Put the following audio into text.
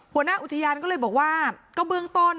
หัวหน้าอุทยานก็เลยบอกว่าก็เบื้องต้น